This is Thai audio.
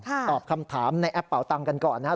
ตอบคำถามในแอปเป่าตังกันก่อนนะครับ